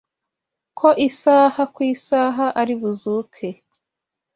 ko isaha ku isaha ari buzuke